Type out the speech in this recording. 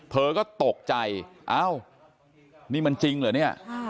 เธอก็ตกใจเอ้านี่มันจริงเหรอเนี่ย